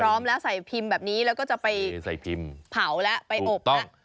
พร้อมแล้วใส่พิมพ์แบบนี้แล้วก็จะไปเผาแล้วไปอบแล้ว